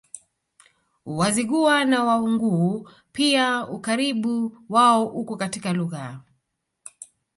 Wazigua na Wanguu pia Ukaribu wao uko katika lugha